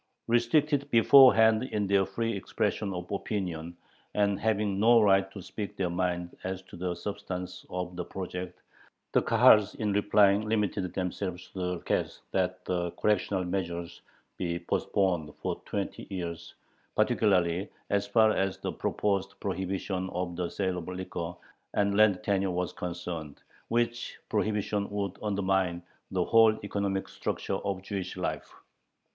Restricted beforehand in their free expression of opinion, and having no right to speak their mind as to the substance of the project, the Kahals in replying limited themselves to the request that the "correctional measures" be postponed for twenty years, particularly as far as the proposed prohibition of the sale of liquor and land tenure was concerned, which prohibition would undermine the whole economic structure of Jewish life.